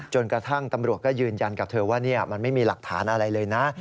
จนกระทั่งตำรวจก็ยืนยันกับเธอว่ามันไม่มีหลักฐานอะไรเลยนะ